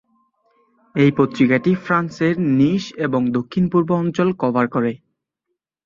এই পত্রিকাটি ফ্রান্সের নিস এবং দক্ষিণ-পূর্ব অঞ্চল কভার করে।